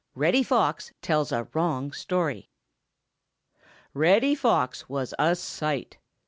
REDDY FOX TELLS A WRONG STORY |REDDY FOX was a sight!